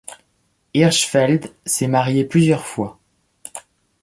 Hirschfeld s'est marié plusieurs fois.